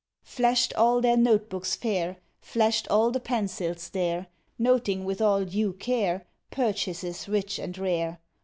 Flash'd all their note books fair, Flash'd all the pencils there, Noting with all due care, Purchases rich and rare.